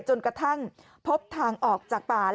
จนกระทั่งพบทางออกจากป่า